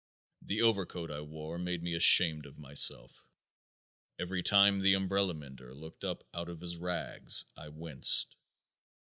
The overcoat I wore made me ashamed of myself. Every time the umbrella mender looked up out of his rags I winced.